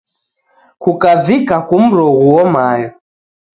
Kukavika kumroghuo mayo.